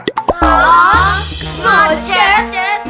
hah gak cat